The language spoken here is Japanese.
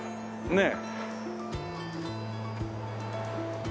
ねえ。